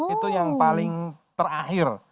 itu yang paling terakhir